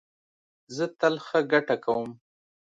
زه تل ښه ګټه کوم